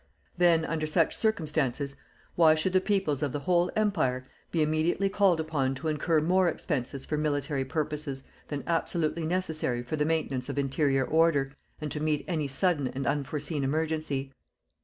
Then, under such circumstances, why should the peoples of the whole Empire be immediately called upon to incur more expenses for military purposes than absolutely necessary for the maintenance of interior order, and to meet any sudden and unforeseen emergency.